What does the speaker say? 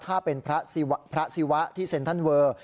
ถ้าเป็นพระศิวะที่เซ็นทรัลเวอร์